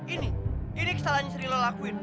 ini ini kesalahan yang sering lo lakuin